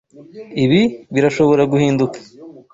Ibi birashobora guhinduka.